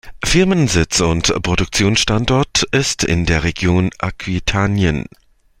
Firmensitz und Produktionsstandort ist in der Region Aquitanien.